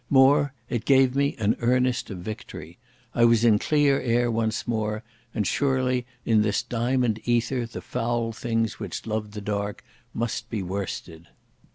More, it gave me an earnest of victory. I was in clear air once more, and surely in this diamond ether the foul things which loved the dark must be worsted....